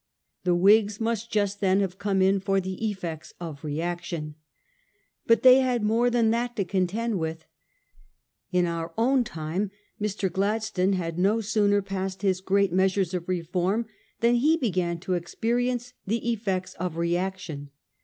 The Whigs must just then have come in for the effects of reaction. But they had more than that to contend with. In our own time, Mr. Gladstone had no sooner passed his great measures of reform than he began to expe rience the effects of reaction.